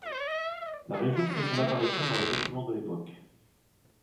La région fait son apparition dans les documents de l'époque.